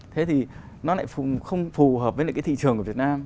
thế thì nó lại không phù hợp với lại cái thị trường của việt nam